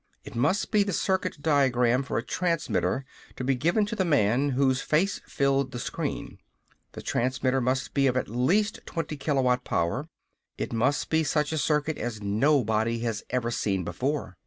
It must be the circuit diagram for a transmitter to be given to the man whose face filled the screen. The transmitter must be of at least twenty kilowatt power. It must be such a circuit as nobody had ever seen before.